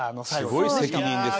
すごい責任ですね。